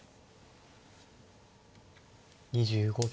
２５秒。